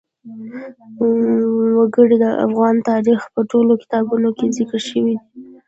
وګړي د افغان تاریخ په ټولو کتابونو کې ذکر شوي دي.